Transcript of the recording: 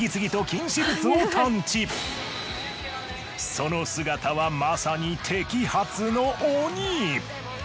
その姿はまさに摘発の鬼。